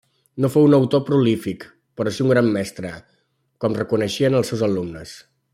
No fou un autor prolífic però sí un gran mestre, com reconeixien els seus alumnes.